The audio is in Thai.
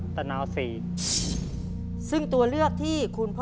ถูกหรือไม่ถูก